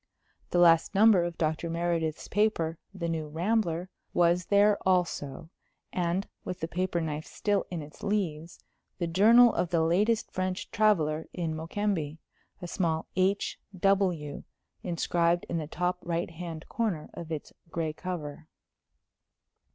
The last number of Dr. Meredith's paper, The New Rambler, was there also; and, with the paper knife still in its leaves, the journal of the latest French traveller in Mokembe, a small "H.W." inscribed in the top right hand corner of its gray cover.